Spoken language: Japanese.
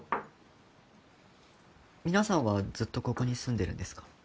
皆さんはずっとここに住んでるんですか？